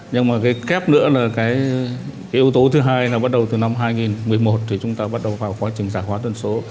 nhưng mà cái kép nữa là cái yếu tố thứ hai là bắt đầu từ năm hai nghìn một mươi một thì chúng ta bắt đầu vào quá trình giả hóa dân số